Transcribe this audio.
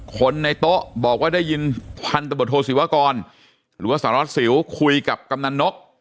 คนในโต๊ะบอกว่าได้ยินพันธบทโทศิวากรหรือว่าสารวัสสิวคุยกับกำนันนก